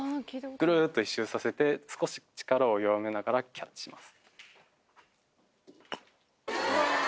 ぐるっと１周させて少し力を弱めながらキャッチします。